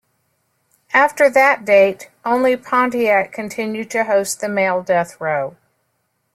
After that date, only Pontiac continued to host the male death row.